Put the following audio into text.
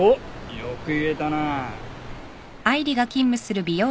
よく言えたなぁ。